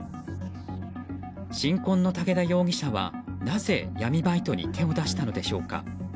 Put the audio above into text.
新婚の武田容疑者はなぜ闇バイトに手を出したのでしょうか。